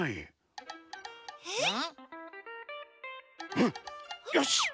うん！よし！